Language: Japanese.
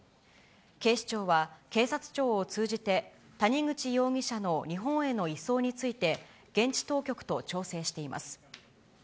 警視庁は、警察庁を通じて、谷口容疑者の日本への移送について、現地当局と調整しています。